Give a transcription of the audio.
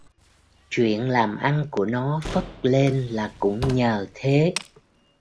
Truyện làm ăn của nó phất lên là cũng nhờ thế